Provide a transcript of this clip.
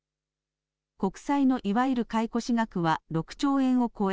国債のいわゆる買い越し額は６兆円を超え